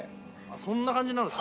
そんな感じなんですか？